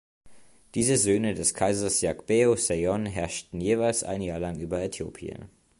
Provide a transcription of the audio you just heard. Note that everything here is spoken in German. Diese Söhne des Kaisers Yagbe’u Seyon herrschten jeweils ein Jahr lang über Äthiopien.